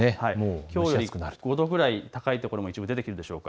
きょうよりも５度ぐらい高いところも出てくるんでしょうか。